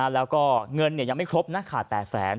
แล้วก็เงินแก่ยังไม่ครบแต่แสน